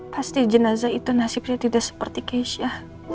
pasti jenazah itu nasibnya tidak seperti keisha